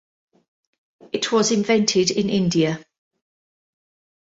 It was invented in India.